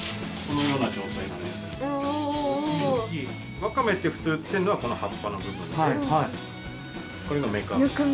ワカメって普通売ってんのはこの葉っぱの部分でこういうのメカブ。